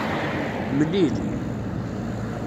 Mlil.